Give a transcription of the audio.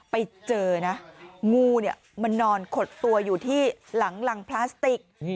ไปเจอนะงูเนี่ยมันนอนขดตัวอยู่ที่หลังรังพลาสติก